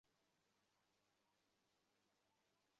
চির সুখী হও।